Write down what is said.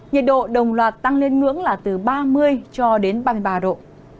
nhiệt độ đồng loạt tăng lên ngưỡng là từ ba mươi cho đến ba mươi ba độ